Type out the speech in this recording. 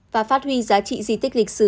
và phát huy giá trị di tích lịch sử